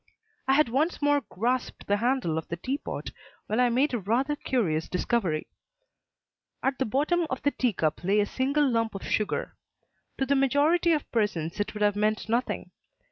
I had once more grasped the handle of the tea pot when I made a rather curious discovery. At the bottom of the tea cup lay a single lump of sugar. To the majority of persons it would have meant nothing.